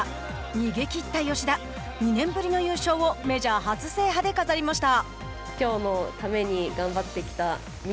逃げきった吉田２年ぶりの優勝をメジャー初制覇で飾りました。